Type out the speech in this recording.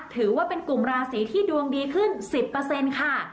ถือว่าเป็นกลุ่มราศีที่ดวงดีขึ้น๑๐เปอร์เซ็นต์ค่ะ